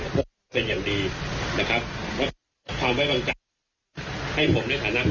ให้พวกใช่อย่างดีนะครับมีความแวะวางกันให้ผมในฐานะผู้